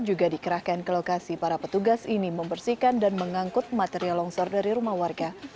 juga dikerahkan ke lokasi para petugas ini membersihkan dan mengangkut material longsor dari rumah warga